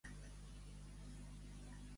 A Talarn, gavatxos.